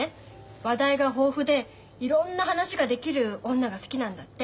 話題が豊富でいろんな話ができる女が好きなんだって。